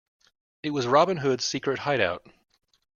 It was Robin Hood's secret hideout.